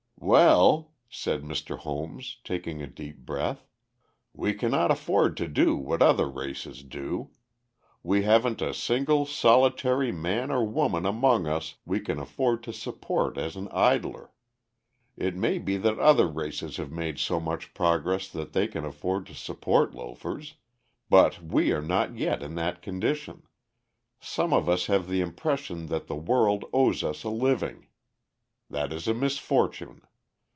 "Well," said Mr. Holmes, taking a deep breath, "we cannot afford to do what other races do. We haven't a single, solitary man or woman among us we can afford to support as an idler. It may be that other races have made so much progress that they can afford to support loafers. But we are not yet in that condition. Some of us have the impression that the world owes us a living. That is a misfortune.